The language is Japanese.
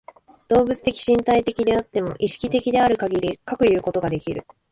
動物的身体的であっても、意識的であるかぎりかくいうことができる。